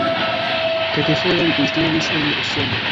Kelkfoje li instruis en Usono.